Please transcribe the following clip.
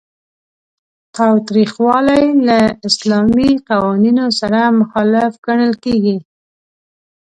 تاوتریخوالی له اسلامي قوانینو سره مخالف ګڼل کیږي.